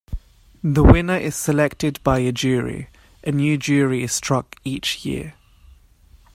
The winner is selected by a jury; a new jury is struck each year.